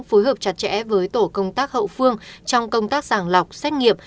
phối hợp chặt chẽ với tổ công tác hậu phương trong công tác sàng lọc sách nghiệp